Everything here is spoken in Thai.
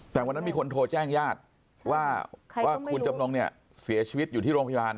แต่วันนั้นมีคนโทรแจ้งญาติว่าคุณจำนงเนี่ยเสียชีวิตอยู่ที่โรงพยาบาล